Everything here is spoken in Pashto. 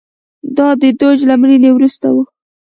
دا د دوج له مړینې وروسته و